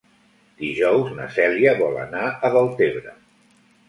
Dijous na Cèlia vol anar a Deltebre.